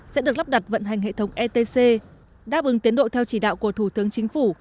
sẽ được lắp đặt vận hành hệ thống etc đáp ứng tiến độ theo chỉ đạo của thủ tướng chính phủ